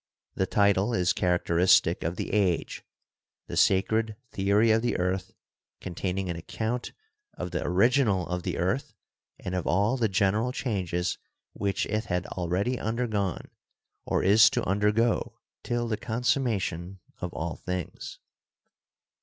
The title is characteristic of the age, "The Sa cred Theory of the Earth, containing an Account of the GEOLOGY AND THE CHURCH 45 Original of the Earth and of all the general Changes which it hath already undergone, or is to undergo, till the Consummation of all Things."